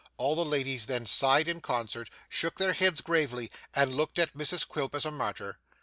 All the ladies then sighed in concert, shook their heads gravely, and looked at Mrs Quilp as a martyr.